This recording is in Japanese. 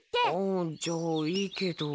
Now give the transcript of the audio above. あっじゃあいいけど。